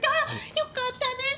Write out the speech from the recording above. よかったです。